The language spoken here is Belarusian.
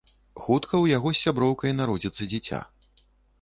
Хутка ў яго з сяброўкай народзіцца дзіця.